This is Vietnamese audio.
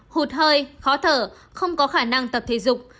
hụt hơi khó thở không có khả năng tập thể dục